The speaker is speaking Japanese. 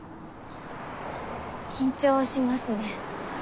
緊張しますね。